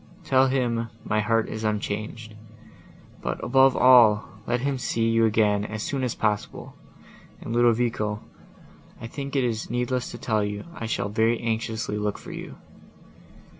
Tell him, my heart is unchanged. But, above all, let him see you again as soon as possible; and, Ludovico, I think it is needless to tell you I shall very anxiously look for you."